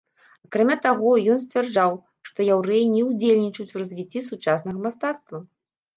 Акрамя таго, ён сцвярджаў, што яўрэі не ўдзельнічаюць у развіцці сучаснага мастацтва.